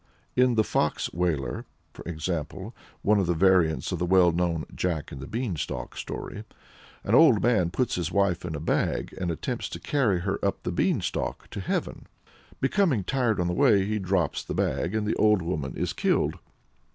In the "Fox wailer," for example one of the variants of the well known "Jack and the Beanstalk" story an old man puts his wife in a bag and attempts to carry her up the beanstalk to heaven. Becoming tired on the way, he drops the bag, and the old woman is killed.